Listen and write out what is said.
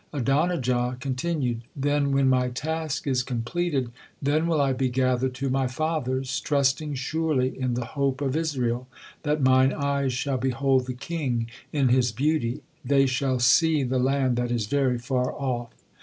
Adonijah continued, 'Then, when my task is completed, then will I be gathered to my fathers, trusting surely in the Hope of Israel, that mine eyes shall 'behold the King in his beauty,—they shall see the land that is very far off.'